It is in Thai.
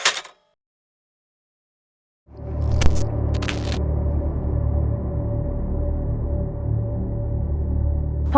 ทัพเซ็ปนิตย์ที่๗ปี